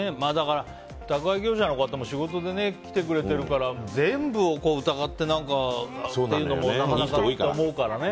宅配業者の方も仕事で来てくれてるから全部を疑ってっていうのもなかなかって思うからね。